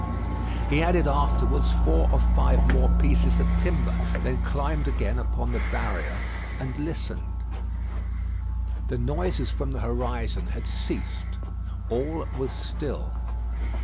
He added afterwards four or five more pieces of timber; then climbed again upon the barrier and listened. The noises from the horizon had ceased; all was still.